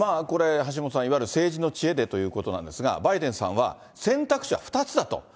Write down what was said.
これ、橋下さん、いわゆる政治の知恵でということなんですが、バイデンさんは、選択肢は２つだと。